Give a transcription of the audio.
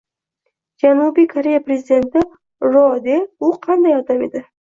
Janubiy Koreya prezidenti Ro De U qanday odam edi?